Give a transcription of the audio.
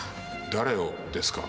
誰をですか？